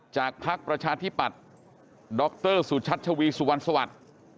พักประชาธิปัตย์ดรสุชัชวีสุวรรณสวัสดิ์